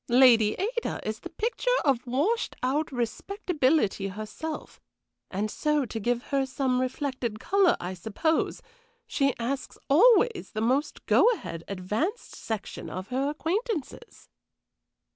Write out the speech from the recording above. Lady Ada is the picture of washed out respectability herself, and so to give her some reflected color, I suppose she asks always the most go ahead, advanced section of her acquaintances."